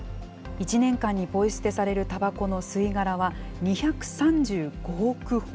１年間にポイ捨てされるたばこの吸い殻は、２３５億本。